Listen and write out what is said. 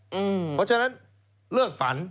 เพราะฉะนั้นเลิกฝัน